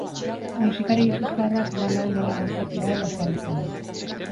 Musikari gipuzkoarrak lan hau nola gauzatu duen azalduko du.